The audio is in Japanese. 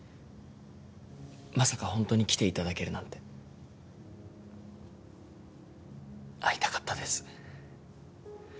まさかホントに来ていただけるなんて会いたかったです